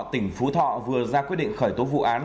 tỉnh phú thọ vừa ra quyết định khởi tố vụ án